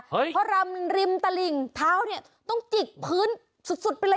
เพราะรำริมตลิ่งเท้าเนี่ยต้องจิกพื้นสุดไปเลย